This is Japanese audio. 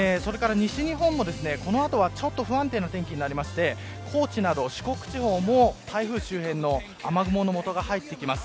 それから西日本もこの後は不安定な天気になって高知など四国地方も台風周辺の雨雲のもとが入ってきます。